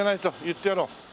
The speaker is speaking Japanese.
言ってやろう。